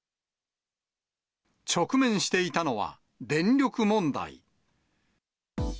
直面していたのは、電力問題。